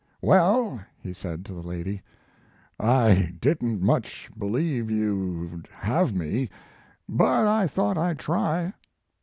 "Well," he said to the lady, "I didn t much believe you d have me, but I thought I d try."